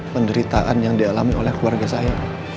penderitaan yang dialami oleh keluarga saya